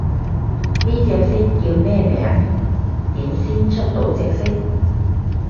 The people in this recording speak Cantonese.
呢隻色叫咩名？點先出到隻色？